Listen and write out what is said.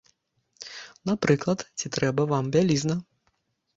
Напрыклад, ці трэба вам бялізна!